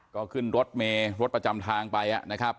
ก็ขึ้นรถเมย์รถประจำทางไปนะครับ